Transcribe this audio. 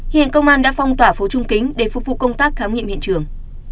hiện công an đã phong tỏa phố trung kính để phục vụ công tác khám nghiệm hiện trường